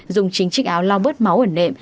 dùng chính chiếc áo lau bớt máu ở nệm